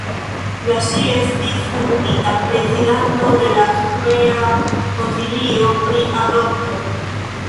La ŝi estis nomumita prezidanto de la Supera Konsilio pri Adopto.